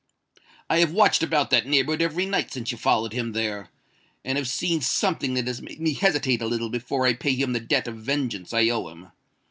"I have watched about that neighbourhood every night since you followed him there, and have seen something that has made me hesitate a little before I pay him the debt of vengeance I owe him.